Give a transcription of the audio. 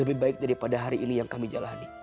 lebih baik daripada hari ini yang kami jalani